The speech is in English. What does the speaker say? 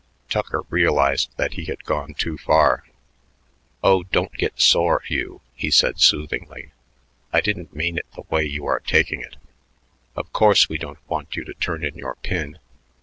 Tucker realized that he had gone too far. "Oh, don't get sore, Hugh," he said soothingly. "I didn't mean it the way you are taking it. Of course, we don't want you to turn in your pin.